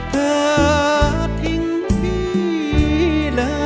เธอทิ้งพี่